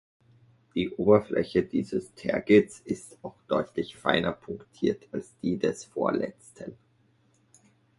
Die Oberfläche dieses Tergits ist auch deutlich feiner punktiert, als die des vorletzten.